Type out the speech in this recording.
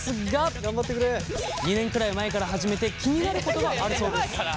２年くらい前から始めて気になることがあるそうです。